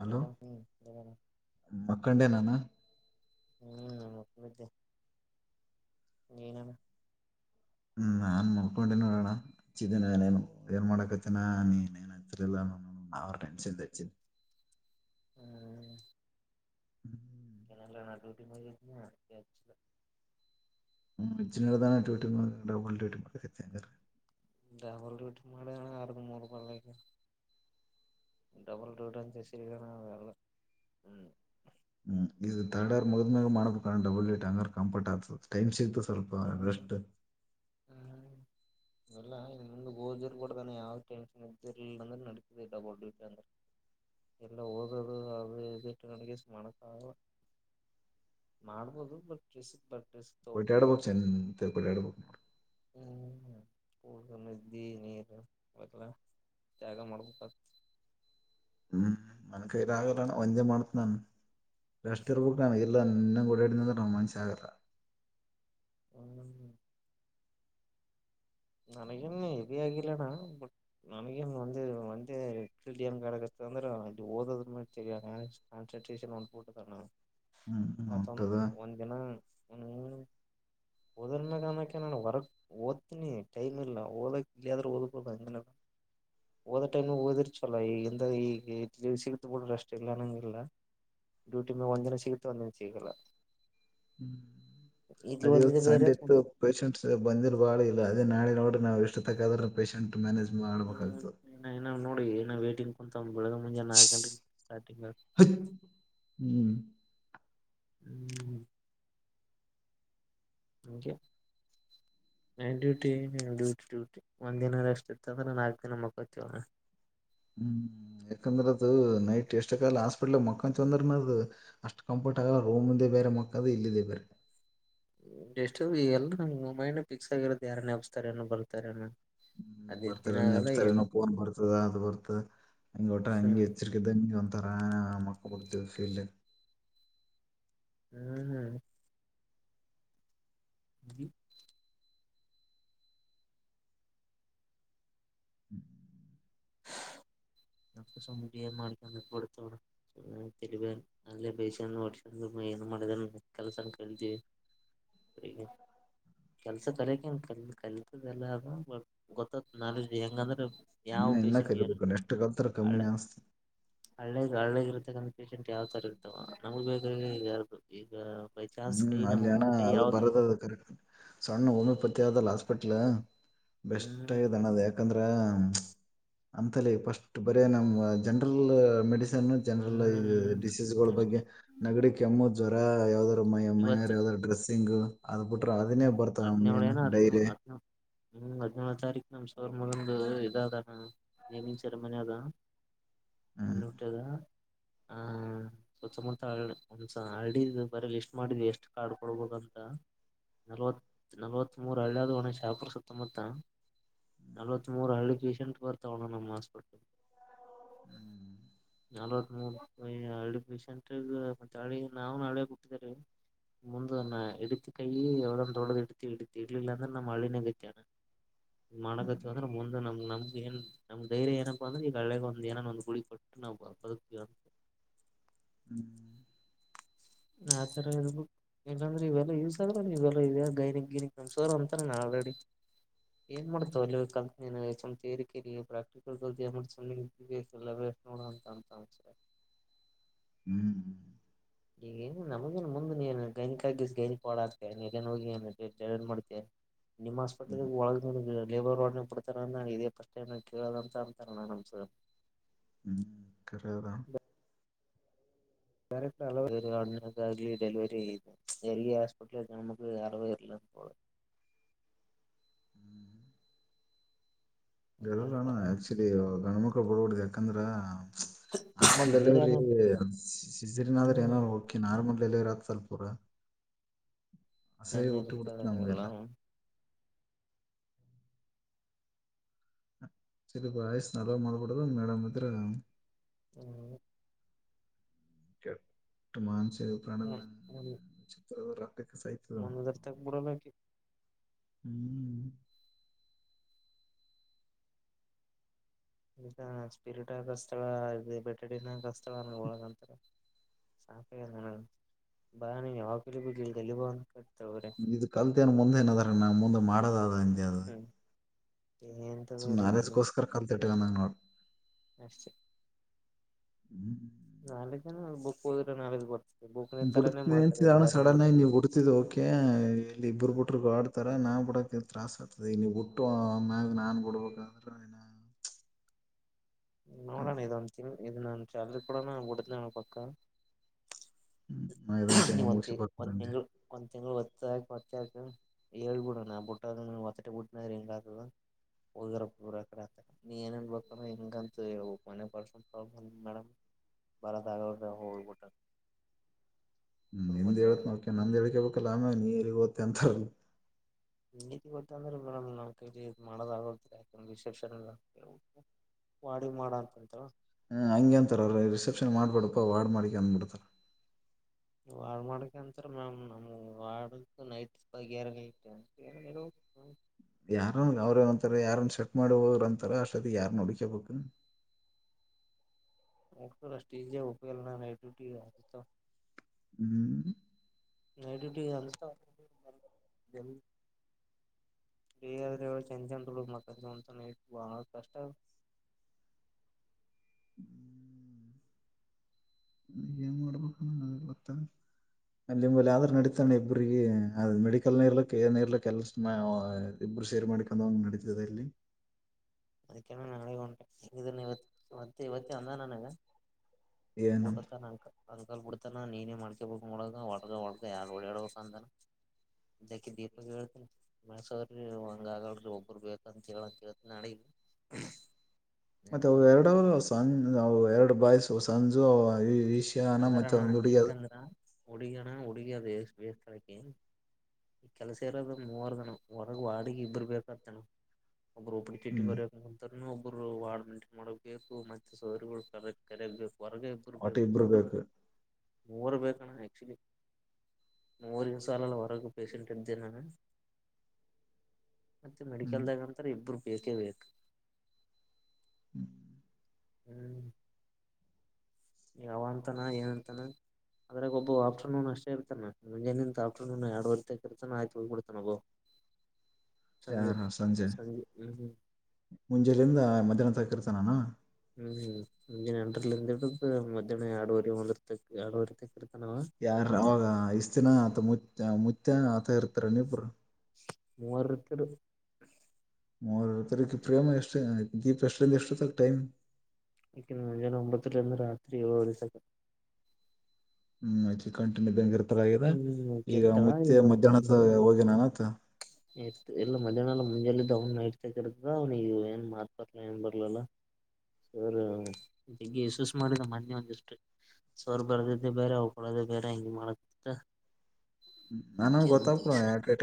Hello hello ಹ್ಮ್ ಮಕ್ಕಂಡೆನಾನ ಹ್ಮ ನೋದೆನ ಹ್ಮ ನಾನ್ ನೋಡ್ಕೊಂಡೆ ನೋಡೋಣಿದನೇನು ಏನ್ ಮಾಡಕತ್ತಿನ ನೀನ್ ಏನ್ತಿಲಿಲ್ಲ ಅವರ ಟೆನ್ಷನ್ ಹ್ಮ್ ಹ್ಮ್್ಮ [inaudible] ಇನಲ್ಲ ನಾ ಡ್ಯೂಟಿ ಮಾಡಿದ್ದನ ಜ್ಜಿನಡೆದ ಡಬಲ್ ಕ [unintelligible] ಾವಲ್ ರಟ್ಟ ಮಾಡ ಆರದ ಮೂೂರು ರೂಪಾಯಲ್ಲ ಡಬಲ್ ಟೂ ಡನ್ ಚಸರಿ ಕಾನಲ್ಲ ಹ್ಮ [unintelligible] ಹ್ಮ್ ಇದು ತಡರ್ ಮಗದ್ ಮಾಡೋದ ಡಬಲ್ಂಗ ಕಂಫರ್ಟ್ ಆಗ್ತದೆ ಟೈಮ ಸಿಗ್ತ ಸ್ವಲ್ಪ ಹ್ಮ್ ಬೆಷ್ಟ ಇಲ್ಲಮ ಗೋಜಿರ್ಬಡತಾನೆ ಯಾವ್ ಟೆನ್ಶನ್ ಇದ್ದಿರ್ಲಿಲ್ಲ ಅಂದ್ರೆ ನಡತಿದೆ ಡಬಲ್ ಡ್ಯೂಟಿ ಅಂದ್ರೆ [unintelligible] ಎಲ್ಲ ಹದದು ಅದು ಇಿಟ್ಟು ನನಗೆ ಮಾಡಣಕ ಆಗಲ್ಲ ಮಾಡ್ಬೋದು ಬಟ್ಟಸಕ್ ಬಟ್ಟ ತಬುದು ಅಚ್ಚನ್ ತಪಳಡು ಹ ನದ್ದಿ ನೀರು ಅವಲ್ಲ ತ್ಯಾಗ ಮಾಡ್ಬೇಕ ಹ್ಮ್ ನನ ಕೈರಾಗಲ್ಲಣ ಒಂದೆ ಮಾಡ್ತ ನಾನು ರಾಷ್ಟ್ರೀಯ ಬುಕ್್ರಾಮಲ್ಲ ಎ ಕೂಡ ಇಡ ರೊಮನ್ ಶಾಾಗರ ಹ್ಮ್ಮ ನನಗೆ ಎವ ಆಗಿಲ್ಲ ನ ಬಟ್ ನನಗೆಡ ಕ ಂದ್ರದು ೋದ ಕನ್ಸೆಂಟ್ರಷನ್ಬಿಟ್ಟ ಹ್ಮ್ ಹ ತ ಒಂದು ಹೊಂಟದ ಒಂದ ದಿನ ಓದರ್ಮಾಗಣಕ್ಕೆ ನಾನು ವರಕ್ ಓದ್ತೀನಿ ೈಮ ಇಲ್ಲ ಓದ ಇಲ್ಲಾದ್ರೂ ಓದ ಓದ ೈಮ ಓದ ಈಗ ಇ ಸಿಗತ ಬಿಡ್ರಿ ಅಷ್ಟೆಲ್ಲ ನಂಗಗೆಿಲ್ಲ ಡ್ಯೂಟಿ ಮ ಒಂದ ದಿನ ಸಿಗುತ್ತೆ ಒಂದಿನ ಸಿಗಲ್ಲ ಹ್ಮ್ ಇಲ್ಲಿ ಅದ ಇವತ್ತು ಓದಿದೆ ಬೇರೆ ಸಂಡೆ ಇತ್ತು ಪೇಶೆಂಟ್ಸ್ ಬಂದಿರ ಬಾಳ ಇಲ್ಲ ಅದೇ ನಾಳೆ ನೋಡ್ರ ನಾ ಇಷ್ಟ ತಕ್ಕಾದ್ರ ಪೇಶಂಟ್ ಹ್ಮ್ ಏನ ನೋಡಿ ಏನ ವೇಟಿಂಗ್ ಕುಂತ ಇಳಗ ಮುಂಜ ನಾಕಂಡ ಕಟಿಂಗ ಹಚ್. ಹ್ಮ್ ಹ್ಮ್ ಹಗೆ ಹ ನೈನ್ ಡೂಟ ಡೂಟಿ ಡ್ಯೂಟಿ ಒಂದ್ಿನ ರೆಸ್ಟ್ ಇರ್ತದ್ರ ನಾಲ್ಕಕ್ ದಿನ ಮುಕ್ಕೊತವ ಹ್ಮ್ ಯಾಕಂದ್ರೆ ಅದು ನೈಟ್ ಎಷ್ಟ ಕಾಲಲ್ಲ ಹಾಸ್ಪಿಟ್ಲ್ ಮಕ್ಕಂತಂದ್ರ ಅದು ಅಷ್ಟ್ ಕಂಫರ್ಟ್ ಆಗಲ್ಲ ರೂಮಂದ ಬೇರೆ ಮಕ್ಕಾಾದ ಇಲ್ಲಿದೆ ಇವರು ಎಷ್ಟುಲ್ಲ ಮೈಂಡ ಫಿಕ್ಸ್ ಆಗಿರೋದು ಯಾರ ನೆಪಸ್ತಾರ ಬಲ್ತಾರ ಹ್ಮ ಬರ್ತ ನೆಪ್ಸ್ತಾರೆನ ಫೋನ್ ಬರ್ತದ ಅದು ಬರ್ತದ ಹಂಗ ಊಟ ಹಂಗ ಹ್ಮ್ ಹೆಚ್ಚರಿಕಿದ್ದ ಒಂಥರಾನ ಮಕ್ಕ ಕೊಡ್ತವಿ ಫೀಲ್ಡ್ ಹ್ಮ್ ಹ್ಮ್ ಹ ಹ್ಮ ಅ ಪೈಸ ಏನು ಮಾಡಿದೆ ಕೆಲಸನ್ ಕಳ್ತ ಕೆಲ್ಸ ಕರಕನ್ ಕ ಕಲತದೆ ಎಲ್ಲ ಅೊ ನ ಹೆಂಗಂದ್ರೆ ಯಾವ ಪೇಶೆಂಟ್ ಏನ್ ಕ ಎಷ್ಟ ಕತಾರೆ ಕಮ್ಮಿ ಹಳ್ಳ ನಸ್ತಿ ಹಳ್ಳೇಗ್ ಹಳ್ಳಗ್ ಇರ್ತಕ್ಕಂ ಪೇಶಂಟ್ ಯಾವ್ ತರ ಇರ್ತವ ನಮಗ್ ಬೇಕ ಯಾರ್ದು ಈಗ ಬೈ ಚಾನ್ಸ್ ಹ್ಮ್ ಕೈ ಅಲ್ಲಿ ನಮಗ್ ಅಣ ಮುಂದ್ ಕೈ ಅದು ಯಾವ್ದು ಬರದ ಅದು ಕರೆಕ್ಟ್ ಸಣ್ಣ ಹೋಮಿಯೋಪತಿ ಆದಲ್ಲ ಹಾಸ್ಪಿಟ್ಲ್ ಬೆಸ್ಟ್ ಹ್ಮ್ ಆದ ಅದು ಯಾಕಂದ್ರೆ ಅ ಸ್ ಬ ನ ಜನರಲ್ ಮೆ ಜನರಲ್ ಹ್ಮ್ ಡಿಸೀಸ್ ಬಗ್ಗೆ ಅಷ್ಟೇ ನಗಡಿ ಕೆಮ್ಮು ಜ್ವರ ಯಾವಾದ ತಮ್ಮ ಅಮ್ಮ ಯಾವ್ದ್ರ ಡ್ರೆಸ್ಸಿಂಗ್ ಅದು ಬಿಟ್ರೆ ಅದನ್ನೇ ಹ್ಮ ಬರ್ತಾವ ಹದಿನೇಳಳು ಮೇನ್ ಏನ ಹ ಡೈರಿ ಹದ ಹ್ಮ್ ಹದಿನೇಳಳು ತಾರೀಕು ನಮ್ ಸೋರ್ ಮುಗಂದು ಇದಾದಣ ನಚರ ಮನದ ನ ಹ್ಮ್ ನೂಟದ ಆ ಮ ಒಂದ್ಸ ಹರ್ಡ ಬರ ಲಿಸ್ಟ್ ಮಾಡಿದ್ವಿ ಎಷ್ಟು ಕಾರ್ಡ್ ಕೊಡ್ಬೋದ ಅಂತ ನಲವತ್ ನಲ್ವತ್ ಮೂರು ಹಳ್ಳಿಯದು ಒಣ ಶಾಪುರ್ ಸುತ್ತಮುತ್ತ ನಲವತ್ ಮೂರ ಹಳ್ಳಿ ಪೇಶಷೆಂಟ್ ಬರ್ತಾವಣ್ಣ ನಮ್ಮ ಹಾಸ್ಪಿಟ್ಲ್ ಹ್ಮ್ ನಲ್ವತ್ ಮೂ ಹ ಪಷಂಟ್ ಮಳಿ ನಾವವು ನಾಳೆ ಹಟ್ಟಿದ ರ ಮುಂದೆನ್ನ ಎಡ್ತಿ ಕೈ ಎ ತೊಡದು ಇಡ್ತ ಇಡ್ತ ಇಡ್ಲ್ಲಿಲ್ಲಾಂದೆ ನಮ್ಮ ಅಳ್ಳಿನಂಗಚೆ ಮಾಡಕತ್ತ ಹ್ಮ್ ಅಂದ್ರೆ ಮುಂದೆ ನಮ್ ನಮ್ಗೆ ಏನ್ ನಮ ಧೈರ್ಯ ನಪ್ಪ ಅಂದ್ರೆ ಈಗ ಕೆಳೆಗೆ ಒಏನ ಒಂದು ಕುಳಪಟ್ಟು ನಾವು ಬದುಕಿ ಹ್ಮ್ ನತ್ತರ ಇದು ಇಲ್ಲಂದ್ರೆ ಇವೆಲ್ಲ ಇಲ್ಸ್ರ ನೀ ಇವೆಲ್ಲ ಇದ ಗೈನಿ ಗೈನಿಕ್ ನಮಸ ಅಂತಾರೆ ನ ಆಲ್ರೆಡಿ ಏನ್ ಮಾಡ್ತವವೆ ಅಲ್ಲಿ ಕಕೆಕ್ಟಲ್ ನೋಡ ಅಂತ ಅಂತಸೆ ಹ್ಮ್ ಈಗ ನು ನಮಗೇನ್ ಮುಂದ ನೀನ್ ಗೈನಿಕಗ ಗೈನಿಕ ಹಾ ಹ ಆಕ್ತನ್ ಹೋಗಿ ಮಾಡ್ತ ನಿಮ್ಮ ಹಸ್ಪಿ ಹ್ಮ್ ಒಳ ಲೇಬರ್ಡ್ ವಾದಂತ ಅಮಂತಣ ನಮಸ ಹ್ಮ್ ಕೆರದಾ ಕರೆಕ್ಟ್ ಅಳವೇರು ಅ ಅಲ್ಲಿ ಡೆಲಿವರಿ ಆದೆ ಎಲ್ಲಿ ಹಾಸ್ಪಿಟಲ ನಮಗೆ ಅಳವೇರ ಇಲ್ಲ [unintelligible] ಲ್ಲಲ್ಲಣ ಹಂಗಂತಾರ ಆಕ್ಚುಲಿ ಗಣಮಕ್ಕಳ ಬಡ್ಬಡ್ದ ಯಾಕಂದ್ರ ನಾರ್ಮಲ್ ಬೇರೆ ಡೆಲಿವರಿ ಏನು ಸಜ್ರನಾದ್ರೆ ಹ್ಮ್ ಏನಾದ್ರು ಹೋಗಕಿ ನಾರ್ಮಲ್ ರತ್ ಸಲ್ಪುರ ಅಸೇ ಹೆಣ್ಣು ಊಟ್ಟಿ ಕೊಡ್ತ ಇರ್ತಾರ ನಮಗೆ ಎಲ್ಲ ಚಲ್ ವಯಸ್ ನಲ್ ಮಾಡ್ಬಿಡದು ಮೇಡಮ್ ಇದ್ರೆ ಹ್ಮ್ ಕೆಟ್ಟು ಮಾನಸಿಕ ಪ್ರಾಣ ಚಿತ್ರರ ಮನದರ್ತ ಬಿಡಲಿ ಹ್ಮ್ ಸ್ಪಿರಿಟ್ ಆಸ್ತಳ ಇ ಬೆಟ್ಟಡಿನಾಗ ಕಸ್ತಳ ಒಳಗಂತರ ಸಾಫ ಬ ನೀ ಯಕಲಿ ಬ ತಲ್ಲಿಬ ಇ ಕಲ್ತಏನ್ ಮುಂದೆ ಏನ ಅದಾರ ನಾ ಮುಂದೆ ಮಾಡದ ಅ ಹ್ಮ್ ಸೊ ಎಂತದು ಎಲ್ಲ ನ್ಯಾಲೇಸ್ಕರ ಕಲ್ ಇಟ್ಟಗೊಂಡ ನೋ ಬ [unintelligible] ಹ್ಮ್ ನಾಳಕ ಜನ ಬುಕ್ ಹೋದ್ರೆ ನಾಳಿದ್ದು ಬರ್ ಬಿಡದಣ ಸಡನ್ ಆಗಿ ನೀವ್ ಬಿಡ್ತಿದ್ ಓಕೆ ಇಲ್ಲಿ ಇಬರು ಹ್ಮ್ ಬಿಟ್ರಗ ಆಡ್ತಾರ ನಾ ಬಿಡಕ ತತ್ರಾಸ ಆಗ್ತದೆ ನೀವು ಹುಟ್ಟು ಆಮ್ಯಾಗ ನಾನ್ ಬಿಡ್ಬೇಕಾದ್ರೆ ಏನ ನೋಡೋಣ ಇದದುಚ ಇದು ನಾನ ಚ ಅಲ್ಲಿ ಕೂಡ ನಾ ಕೊಡ್ತ ಪಕ್ಕ ಇದೊಂದು ನೀವು ಮುಗಿಸಿ ಒಂದ ಒಂದ್ ಬರ್ತಂದೆ ತಿಂಗಳು ಒಂದ್ ತಿಂಗಳು ಹಾಕ ಪಚ್ಚಾಕ ಹೇಳ್ಬಿಡ ನ ಬುಟ್ಟದ ಹೊತ್ತಟ ಬಿಟ್ಟನ ಹೆಗತದ ಹರಡೆ ನೀ ಏನಳ್ಬೇಕ ಹೆಂಗಂತ ಮ ಪ ಮಡ್ ಬಾರ ದಾಗ ಹೋಗ ಗಟ್ಟ ಹ್ಮ್ ನಿಂದ್ ಹೇಳತ್ ನಕ ನಂದ ಹಳ್ಕೇಬೇಕಲ್ಲ ಆಮೇ ನೀ ಎಲ್ಲಿಗ್ ಹಓತ್ತೆ ಅಂತಾರ ಗೊತ್ತ ಅಂದ್ರೆ ಮೇಡಮ್ ನಾ ಮಾಡೋದಾಗ ಯಾಕಿಸೆಪ್ನ್ ಹ್ಮ ಹಂಗಗೆ ಅಂತಾರ ಅವ್ರ ರಿಸೆಪ್ಷನ್ ಮಾಡ್ಬಿಡಪ್ಪಾ ವಾರ್ ಮಾಡಿಕ ಅಂದಬಿಡ್ತಾರ ವಾಡ್ ಮಾಡಕ ಅಂತ ಮ್ಯಾಮ್ ನಮ್ಡ ನೈಟ್ ಬಗೆಯಾರ ಹ್ಮ ಯಾರನ್ ಅವ್ರೇನ್ಂತಾರ ಯಾರನ್ ಸೆಟ್ ಮಾಡಿ ಹೋಗ್ರ ಅಂತಾರ ಅಷ್ಟೊತಿ ಯಾರ್ ನುಡಕಬೇಕ [unintelligible] ಹುಗರ ಅಷ್ಟು ಈ ಜಾಗನಲ್ಲ ನೈಟ್ ಡ್ಯೂಟಿಗೆ ಹ್ಮ್ ನೈಟ ಡ್ಯೂಟಿ ಅಂತ ಇವಾಗ ಏನು ಚಿಂತನ ದುಡಿದು ಬಾಳ ಕಷ್ಟ ಹ್ಮ್ ಏನ್ ಮಾಡ್ಬೇಕ್ ಅನ್ನೋದು ನನಗೆ ಗೊತ್ತಾ ಅ ನಿಮಲ್ಲಿ ಆದ್ರೂ ನಡೀತಾನೆ ಇಬ್ಬ್ರಿಗೆ ಅದ್ ಮೆಡಿಕಲ್ ಇರ್ಲಕ್ ಏನ ಇರ್ಲಕ್ ಎಲ್ಲ ಇಬ್ಬರು ಶೇರ್ ಮಾಡಿಕೊಂಡ ನಡೀತಿದೆ ಅಲ್ಲಿ ಅದಕೆ ಹೆಂಗಿದ ಇವ ಮತ್ತೆ ಇವತ್ತ ಅಂದ ನಾನಗ ಏನಂತ ಊಟತ ನಂಕ ತಂಕಾ ಬಿಡ್ತಾನ ನೀನೇ ಮಾಡ್ಕೇಬಬೇಕಕ್ ನೋಡಗ ಒಳಗ ಒಳಗ ಯ ಓಡಾಡ್ಬೇಕ ಅಂದನ ಇದಕ ದೀಪಕ್ ಹೇಳ್ತನ ಮೈಸ್ರ ಹಂಗ ಆಗಡ್ರಿ ಒಬ್ಬರು ಬೇಕಂತ ಕೇಳಂತ ನಾಡ ಹ್ಮ ಮತ್ತೆ ಅವ ಎರಡು ಸಜ ಎರಡು ಬಾಯ್ಸ್ ಸಂಜು ವಿಷ್ಯಣ ಮಚ್ಚಂದ ಹುಡುಗಿಯಾದ ಹುಡಿಗಣ್ಣ ಹುಡುಗಿಯಾದ ವೇಸ್ಳಕ್ಕ ಈ ಕೆಲಸ ಇರೋದ ಮೂವರು ದನ ಒರಗ ವಾಡಗ ಇಬ್ಬರು ಬೇಕಾದತನ ಒಬ್ಬರು ಉಬ್ಬಿ ಚಿಟ್ಟಿ ಹ್ಮ್ ಬರಕ್ ನಂತ ಒಬ್ಬರು ವಾರ್ಡ್ ಮೈಂಟೈನ್ ಮಾಡಬೇಕು ಮತ್ತೆ ಸೋರಿಗಳು ಕರ ಕರಗ್ ಬಬೇಕು ಹೊರಗೆ ಇಬ್ಬರು ಬೇಕು ಇಬ್ರಬೇಕು ಮೂರು ಬೇಕಣ್ಣ ಆಕ್ಚುಲಿ ಮೂವರಿಗೆ ಸಾಲಲ್ಲ ವರಗ ಪೇಷೆಂಟ್ ನ ಮತ್ತೆ ಅಣ್ಣ ಹ್ಮ್ ಮೆಡಿಕಲ್ ನಾಗ್ ಅಂತಾರ ಇಬ್ಬರು ಬೇಕ ಬೇಕು ಹ್ಮ್ ಹ್ಮ್ ಈ ಯಾವ ಅಂತಾನ ಏನಂತಾನ ಅದ್ರಾಗೆ ಒಬ್ಬ ಆಫ್ಟರ್ನೂನ್ ಅಷ್ಟೇ ಇರ್ತಾನ ಮುಂಜೆನ್ ತಾರರು ಎರಡುವರೆ ತಿರ್ತಾನ ಆಯ್ತ ಹೋಗಿ ಬಿಡ್ತಾನಗು ಯಾರ ಸಂಜೆ ಹ್ಮ್ ಮುಂಜೆಯಲ್ಲಿದ ಮಧ್ಯಾಹ್ನ ತನಕ ಇರ್ತಾನನ ಹ್ಮ್ ಮುಂಜಾನ ಎಂಟರಲಿದ್ ಹಿಡಿದು ಮಧ್ಯಾಹ್ನ ಎರಡುವರೆ ಒಂದ ಇರ್ತ ಎರಡುವರೆ ಇರ್ತಾನವ ಯಾರ ಅವಾಗ ಇಷ್ಟ್ ದಿನ ಆತ ಮು ಮುುತ್ತ ಆತ ಇರ್ತಾರ ನಿಬರು ಮೂವಾರತ್ತರು ಮರ ತರಕ ಪ್ರೇಮ ಎಷ್ಟು ದೀಪ ಎಷ್ಟಲ್ಲಿ ಎಷ್ಟುತ್ತ ಟೈಮ್ ಹ್ಮ್ ಮುಂಜಾನೆ ಒಂಬತ್ತು ರಿಂದ ರಾತ್ರಿ ಏಳುಗಂಟೆ ತನಕ ಹ್ಮ್ ಕಂಟನ್ಯ ಬಂಗ ಈಗ ಪರ್ವಾಗಿಲ್ಲ ಹ್ಮ್ ಆಕಿ ಈಗ ಇರ್ತಾಳ ಮುತ್ಯ ಇವ ಹ್ಮ್ ಮಧ್ಯಾಹ್ನದ ಹೋಗ ನಾನ ಆತ್ ಎಲ್ಲ ಮಧ್ಯಾಹ್ನಲ್ಲ ಮುಂಜೆಲ್ಲಿದ್ದ ಅವ್ ಇರ್ದ ಅವ್ ನೀಗ ಏನ್ ಮಾತ ಬರ್ಲ ಏನ್ ಬರ್ಲಲ್ಲ ಸರ ಯಶಸ್ ಮಾಡಿದ ಮೊನ್ನೆ ಒಂದಿಷ್ಟು ಸೋರ್ ಬರ್ದಿದ್ದೆ ಬೇರೆ ಅವಳೋದ ಬೇರೆ ಹೆಂಗಗೆ ಮಾಡತಿತ್ತ ನನ್ಮ ಗೊತ್ತಾಗೇಟ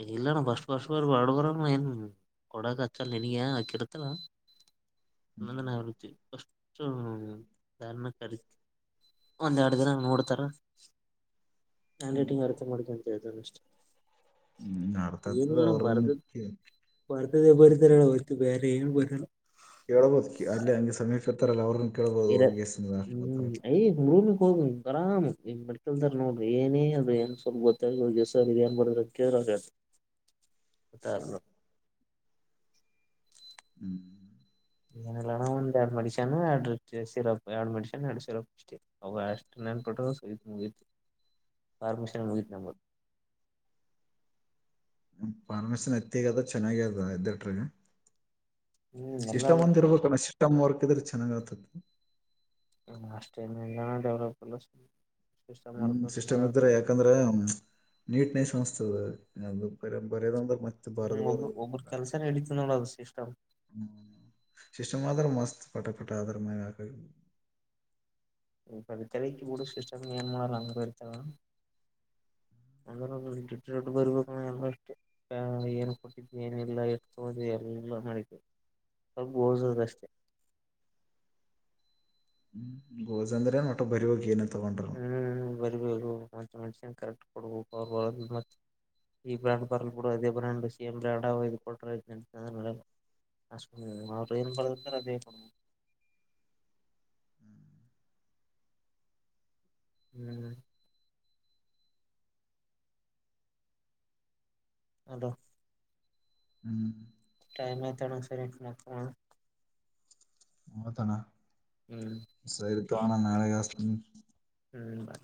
ಇ ಇಲ್ಲಣ ಬಸ್ ಬರ್ ಬರ್ ಬ ಪ್ರ ಏನ್ ಕೊಡ ಕಚ್ಚಲ್ ನನಗೆ ಆಕಿಡತಲ್ಲ ನ ಆಚಿ ಕೊ ಧಾರಣ ಕ ಒಂದ್ ಎರಡು ದಿನ ನೋಡ್ತಾರ ಹ್ಯಾಂಡ್ ರೈಟಿಂಗ್ ಅರ್ಥ ನೋ ಎರಡು ನಿಮಿಷ ಹ್ಮ್ ತನ ಅರ್ಥತದ ಭರ್ ಅವ್ರನ್ನ ಕೇ- ಭರ್ತದ ಬರುತರ ಬೇರೆ ೇ ಬದ ಕೇಳಬೋದು ಅಲ್ಲ ಅಗೆ ಸಮೀಪ ಎತ್ರರಲ್ಲ ಅವರ್ ಎರ ಹ್ಮ್ ಹುರುನು ಹೋಗಿ್ ಬರಾಮ್ ಈ ಮೆಡ್ಕಲ್ದಾರ ನೋಡಿ ಏನೇ ಅದ ಏ ಸ್ವಲ್ ಗೊತ್ತಾಗ ಏನ್ ಬಡ್ರ ಕೇಳ ಉತ್ತಾರ ಹ್ಮ್್ಮ ಏನಲ್ಲ ಒಂದ್ ಎರಡು ಮೆಡಿಶನ್ ಎರಡು ಸಿರಪ್ ಎರಡು ಮೆಡಶನ್ ಎರಡು ಸಿರಪ್ ಇಷ್ಟ ಅವ ಅಷ್ಟು ನೆನ್ಪಿಟ್ಟ್ರ ಪರ್ಮಿಷನ್ ಮುಗತ್ ನಮ್ಮ ಪಫಾರ್ಮಸನ್ ಎತ್ತಿಗ ಅದ ಚೆನ್ನಾಗ ಅದ ಎದ್ದಟ್ರಗ ಹ್ಮ್ ಎಲ್ಲ ಸಿಸ್ಟಮ್ ಒಂದ ಇರ್ಬೇಕಣ ಸಿಸ್ಟಮ್ ವರ್ಕ್ ಇದ್ರೆ ಚೆನ್ನಾಗ ಆತದೆ ಲಷ್ಟ ಎಲ್ಲ ಡೆವಲಪ್ ಅಲ್ಲ ಹ್ಮ್ ಸಿಸ್ಟಮ್ ಇದರ್ದ್ರ ಯಾಕಂದ್ರ ನೀಟ್ನೆಸ್ ಪರಂಪರೆ ನ ಹ್ಮ್ ಒಬ್ಬ ಒಬ್ಬೊರು ಕೆಲಸರ ಎಡತ ನಳ ಶ ು ಮಾತ್ರ ಮಸ್ತ್ ಪಟ ಪಟ ಅದರ ಮ ಸ ತರಗೆ ಕೂಡ ಸಷ್ಟ ಏನು ಮಾಡಲ್ಲ ಅಂಗರ್ತ ಹ್ಮ ಅ್ರಡ್ ದೊಡ್ಡು ಬರ್ಬೇಕು ಎಲ್ಲ ಅಷ್ಟೇ ಏನ್ ಕೊಟ್ಟಿದ್ದ್ ಏನಿಲ್ಲಾ ಇ ತ್ಿ ಎಲ್ಲ ಎಲ್ಲ ಮಾಡ ಓಸದಷ್ಟೇ ಹ್ಮ ಗೋಜಂದ್ರೆ ಮಟ ಭರಿವನ ಹ್ಮ್ ಬರಿಬ ಮತ್ತ ಮೆಸನ್ ಕರೆಕ್ಟ್ ಕೊಡ್ಬೇಕ ಮ ಈ ಬ್ರಾಂಡ್ ಬರಲ್ಪೂಡ ಅದೇ ಬ್ರಂಡ್ ಸಿಎಂ ರಾಡಾವ ಇಐದು ಕೊೋಟ ರ ಅಷ್ಟ ಅವರು ಏನು ಪಡದುತಾರೆ ಅದೇ ಪಡ ಹ್ಮ್ ಹ್ಮ್ ಅದು ಹ್ಮ್ ಟೈಮ್ತಡ ಸರಿ ಮಾಡ ಹತಣ್ಣ ಹ್ಮ್ ತಣ ನಳೆ ಗಸ್ ಹ್ಮ್ ಬಾಯ